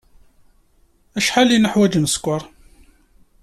Acḥal ay neḥwaj n sskeṛ?